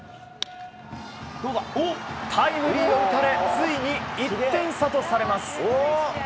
タイムリーを打たれついに１点差とされます。